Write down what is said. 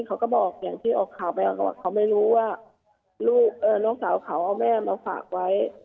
เขาก็บอกอย่างที่ออกข่าวไปก่อนเขาไม่รู้ว่าน้องสาวเขาเอาแม่มาฝากไว้